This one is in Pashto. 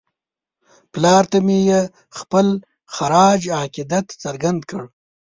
پلار ته مې یې خپل خراج عقیدت څرګند کړ.